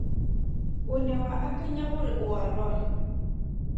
O ne wa akanya gore o a lora.